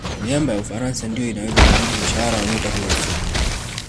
miamba ya ufaransa ndiyo inaweza kumudu mshahara wa nyota huyo